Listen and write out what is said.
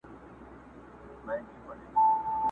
ما ویل زه به ستا ښایستې سینې ته.!